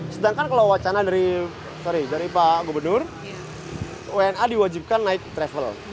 sedangkan kalau wacana dari pak gubernur wna diwajibkan naik travel